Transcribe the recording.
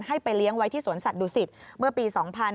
ให้ไปเลี้ยงไว้ที่สวนสัตว์ดุสิตเมื่อปี๒๕๕๒